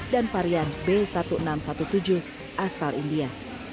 dan varian b seribu enam ratus tujuh belas asal india